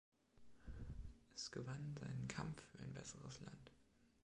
Es gewann seinen Kampf für ein besseres Land.